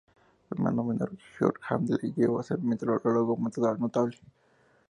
Su hermano menor, George Hadley, llegó a ser un meteorólogo notable.